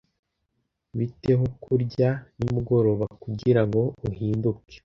Bite ho kurya nimugoroba kugirango uhinduke?